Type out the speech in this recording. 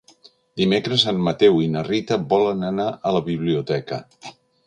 Dimecres en Mateu i na Rita volen anar a la biblioteca.